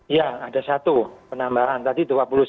ya ada satu penambahan tadi satu ratus dua puluh sembilan